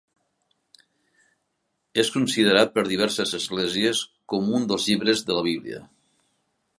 És considerat per diverses esglésies com un dels llibres de la Bíblia.